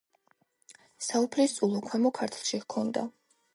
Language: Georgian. საუფლისწულო ქვემო ქართლში ჰქონდა.